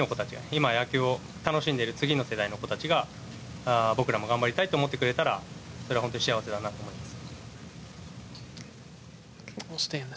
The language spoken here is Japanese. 今、野球を楽しんでいる次の世代の子たちが僕らも頑張りたいと思ってくれたらそれは本当に幸せだなと思います。